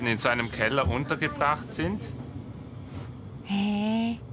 へえ。